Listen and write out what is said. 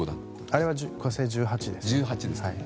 あれは「火星１８」です。